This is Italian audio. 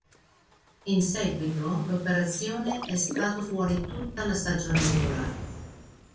In seguito l'operazione è stato fuori tutta la stagione regolare.